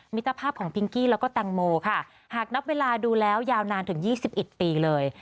มิตรภาพของพิงกี้แล้วก็แตงโมค่ะหากนับเวลาดูแล้วยาวนานถึง๒๑ปีเลย